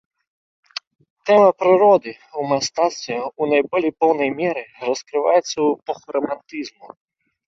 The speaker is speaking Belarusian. Тэма прыроды ў мастацтве ў найболей поўнай меры раскрываецца ў эпоху рамантызму.